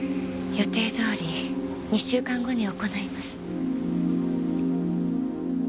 予定どおり２週間後に行います。